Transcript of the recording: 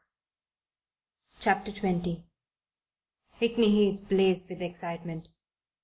CHAPTER XX HICKNEY HEATH blazed with excitement.